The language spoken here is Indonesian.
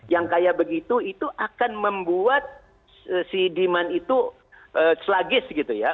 yang kayak begitu itu akan membuat si demand itu slugis gitu ya